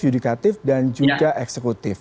yudikatif dan juga eksekutif